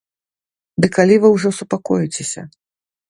Ды калі вы ўжо супакоіцеся?